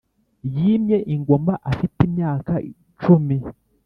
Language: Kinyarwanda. Yimye ingoma afite imyaka cumi